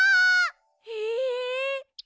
え？